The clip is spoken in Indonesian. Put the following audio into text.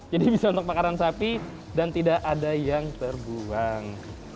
jadi bisa untuk makanan sapi dan tidak ada yang terbuang